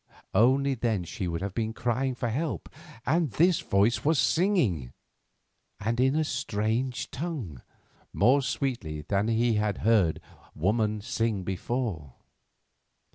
Only then she would have been crying for help, and this voice was singing, and in a strange tongue, more sweetly than he had heard woman sing before.